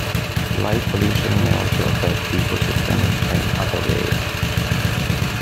Light pollution may also affect ecosystems in other ways.